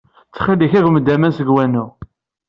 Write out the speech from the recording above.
Ttxil-k, agem-d aman seg wanu.